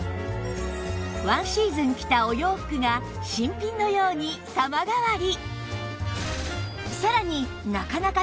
ワンシーズン着たお洋服が新品のように様変わり！